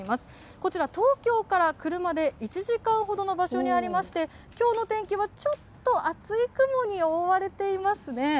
こちら、東京から車で１時間ほどの場所にありまして、きょうの天気はちょっと厚い雲に覆われていますね。